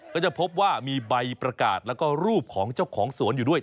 ก็จะพบว่ามีใบประกาศแล้วก็รูปของเจ้าของสวนอยู่ด้วย